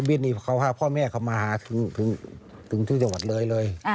มาหาพ่อแม่เขามาถึงที่จังหวัดเลย